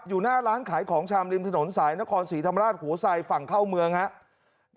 อยู่หน้าร้านขายของชามริมถนนสายนครศรีธรรมราชหัวไซฝั่งเข้าเมืองครับ